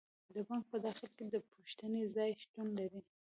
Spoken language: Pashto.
د بانک په داخل کې د پوښتنې ځای شتون لري.